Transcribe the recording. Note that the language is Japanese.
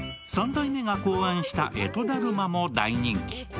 三代目が考案した干支だるまも大人気。